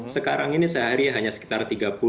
sekarang ini sehari hanya sekitar tiga puluh